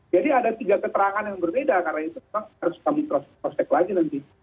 jadi ada tiga keterangan yang berbeda karena itu harus kami prospek lagi nanti